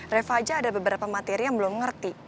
reva aja ada beberapa materi yang belum ngerti